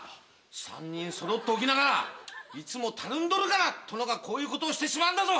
３人揃っておきながらいつもたるんどるから殿がこういうことをしてしまうんだぞ。